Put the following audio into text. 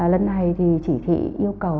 lần này thì chỉ thị yêu cầu